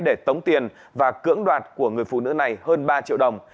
để tống tiền và cưỡng đoạt của người phụ nữ này hơn ba triệu đồng